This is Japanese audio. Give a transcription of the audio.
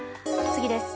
次です。